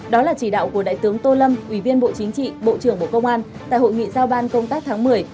đó là chỉ đạo của đại tướng tô lâm ủy viên bộ chính trị bộ trưởng bộ công an tại hội nghị giao ban công tác tháng một mươi